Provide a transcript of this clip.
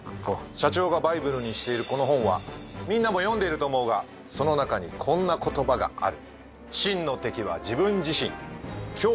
社長がバイブルにしているこの本はみんなも読んでると思うがその中にこんな言葉がある。